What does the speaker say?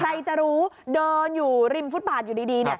ใครจะรู้เดินอยู่ริมฟุตบาทอยู่ดีเนี่ย